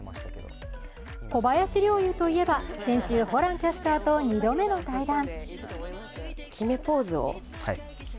小林陵侑といえば、先週ホランキャスターと二度目の対談。